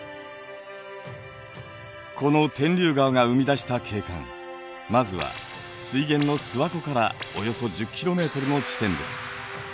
この天竜川が生み出した景観まずは水源の諏訪湖からおよそ１０ｋｍの地点です。